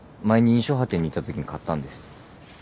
前に『印象派展』に行ったときに買ったんです。